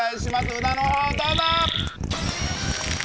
札のほうどうぞ！